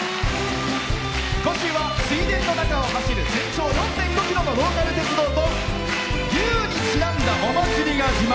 今週は水田の中を走る全長４．５ｋｍのローカル鉄道と竜にちなんだお祭りが自慢。